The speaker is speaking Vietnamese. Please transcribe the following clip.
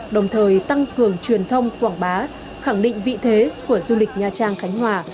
đồng thời tăng cường truyền thông quảng bá khẳng định vị thế của du lịch nha trang khánh hòa